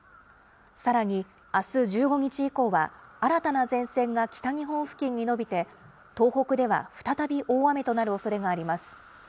さらにあす１５日以降は、新たな前線が北日本付近に延びて、東北では再び大雨となるおそれがあります。